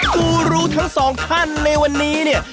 ผู้รู้ทั้งสองท่านในวันนี้เนี่ย